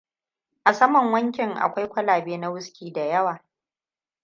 A saman wankin akwai kwalabe na wuski da yawa.